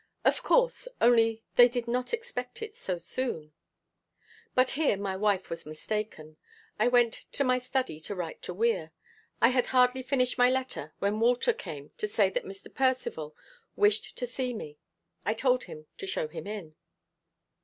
"Of course. Only they did not expect it so soon." But here my wife was mistaken. I went to my study to write to Weir. I had hardly finished my letter when Walter came to say that Mr. Percivale wished to see me. I told him to show him in.